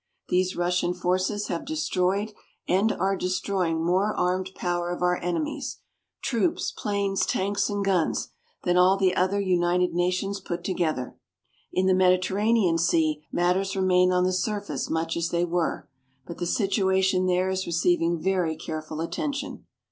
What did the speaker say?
These Russian forces have destroyed and are destroying more armed power of our enemies troops, planes, tanks and guns than all the other United Nations put together. In the Mediterranean area, matters remain on the surface much as they were. But the situation there is receiving very careful attention.